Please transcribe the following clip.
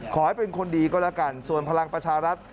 ขอให้เป็นคนดีก็แล้วกันส่วนพลังประชารัฐ